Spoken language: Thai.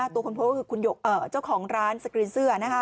ตัวคนโพสต์คือคุณเจ้าของร้านสกรีนเสื้อ